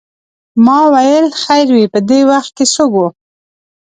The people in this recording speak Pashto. ما ویل خیر وې په دې وخت څوک و.